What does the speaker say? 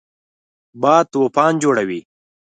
باد طوفان جوړوي